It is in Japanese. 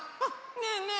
ねえねえ